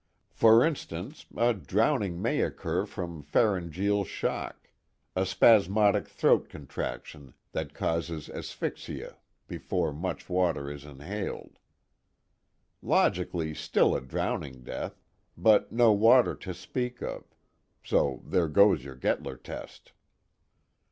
For instance, a drowning may occur from pharyngeal shock a spasmodic throat contraction that causes asphyxia before much water is inhaled. Logically still a drowning death, but no water to speak of, so there goes your Gettler test."